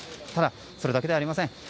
ただ、それだけではありません。